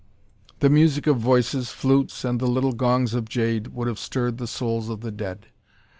The music of voices, flutes, and the little gongs of jade, would have stirred the souls of the dead.